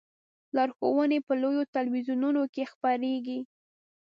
لارښوونې په لویو تلویزیونونو کې خپریږي.